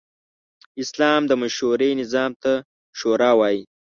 اسلام د مشورې نظام ته “شورا” وايي.